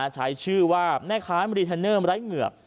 ใช้ชื่อแน่ค้ามรีเทอร์เนอร์ร้ายเงือก